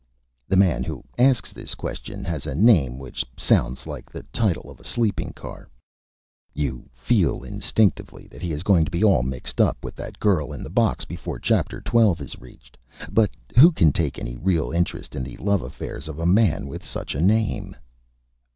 The Man who asks this Question has a Name which sounds like the Title of a Sleeping Car. You feel instinctively that he is going to be all Mixed Up with that Girl in the Box before Chapter XII. is reached; but who can take any real Interest in the Love Affairs of a Man with such a Name?